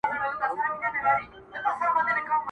قربان د ډار له کيفيته چي رسوا يې کړم.